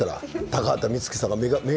高畑充希さんがね